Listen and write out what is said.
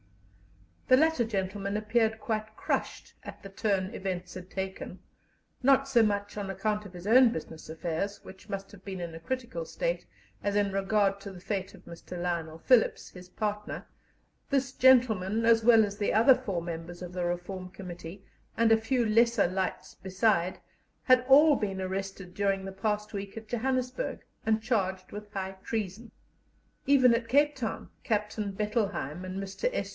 The latter gentleman appeared quite crushed at the turn events had taken not so much on account of his own business affairs, which must have been in a critical state, as in regard to the fate of Mr. Lionel Philips, his partner; this gentleman, as well as the other four members of the Reform Committee, and a few lesser lights besides, had all been arrested during the past week at Johannesburg, and charged with high treason. Even at Cape Town, Captain Bettelheim and Mr. S.